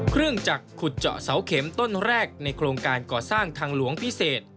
เครื่องจักรขุดเจาะเสาเข็มต้นแรกในโครงการก่อสร้างทางหลวงพิเศษ